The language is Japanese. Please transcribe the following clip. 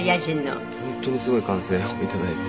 本当にすごい歓声を頂いて。